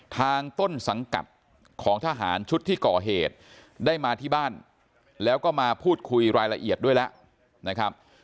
ทางต้นสังกัดของทหารชุดที่ก่อเหตุได้มาที่บ้านแล้วก็มาพูดคุยรายละเอียดด้วยแล้วนะครับ